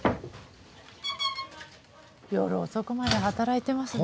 夜遅くまで働いてますね。